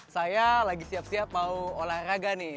saya lagi siap siap mau olahraga nih